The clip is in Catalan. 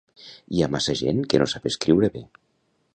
Hi ha massa gent que no sap escriure bé.